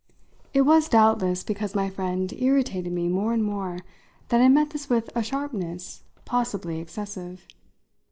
It was doubtless because my friend irritated me more and more that I met this with a sharpness possibly excessive.